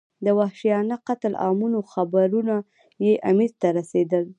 د وحشیانه قتل عامونو خبرونه یې امیر ته رسېدل.